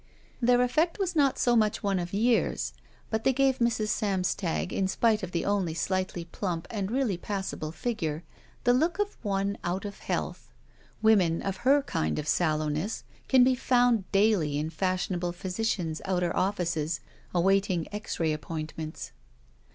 Their effect was not so much one of years, but they gave Mrs. Samstag, in spite of the ohly slightly plump and really passable figure, the look of one out of health. Women of her kind of sallowness can be found daily in fashionable physicians' outer ofiSces, awaiting X^ray appointments.